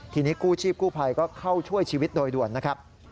ทีนี้กู้ชีพกู้ภัยก็เข้าช่วยชีวิตโดยด่วนนะครับ